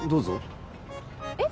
えっ？